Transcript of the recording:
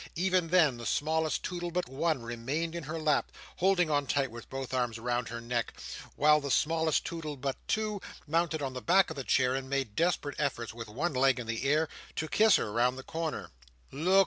Even then, the smallest Toodle but one remained in her lap, holding on tight with both arms round her neck; while the smallest Toodle but two mounted on the back of the chair, and made desperate efforts, with one leg in the air, to kiss her round the corner. "Look!